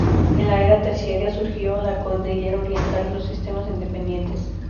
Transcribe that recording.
En la era terciaria surgió la cordillera Oriental y los sistemas independientes.